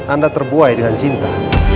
anda terbuai dengan cinta